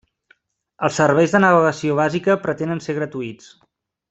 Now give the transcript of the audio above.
Els serveis de navegació bàsica pretenen ser gratuïts.